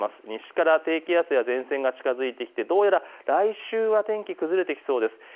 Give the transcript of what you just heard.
西から低気圧や前線が近づいてきて、どうやら来週は天気、崩れてきそうです。